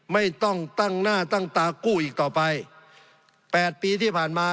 ไม่ต้องตั้งหน้าตั้งตากู้อีกต่อไปแปดปีที่ผ่านมา